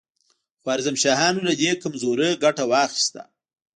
خوارزم شاهانو له دې کمزورۍ ګټه واخیسته.